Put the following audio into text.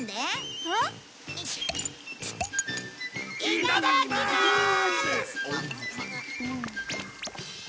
いただきまーす！